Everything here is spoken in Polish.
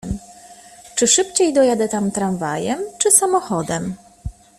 Czy szybciej dojadę tam tramwajem czy samochodem?